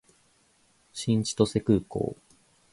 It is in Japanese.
新千歳空港